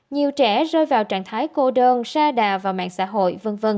nhiều trẻ rơi vào trạng thái cô đơn xa đà vào mạng xã hội v v